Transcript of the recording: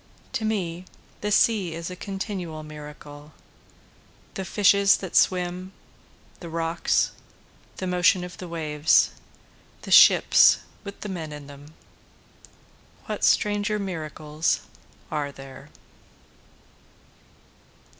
To me the sea is a continual miracle, The fishes that swim the rocks the motion of the waves the ships with the men in them, What stranger miracles are there?